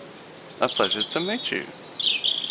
A pleasure to meet you.